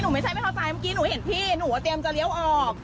ไม่ใช่ไม่เข้าใจเมื่อกี้หนูเห็นพี่หนูก็เตรียมจะเลี้ยวออก